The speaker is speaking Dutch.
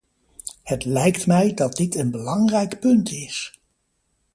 Het lijkt mij dat dit een belangrijk punt is.